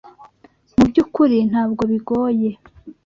Mubyukuri ntabwo bigoye.